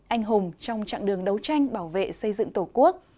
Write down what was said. anh hùng trong chặng đường đấu tranh bảo vệ xây dựng tổ quốc